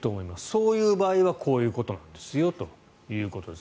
そういう場合はこういうことなんですよということです。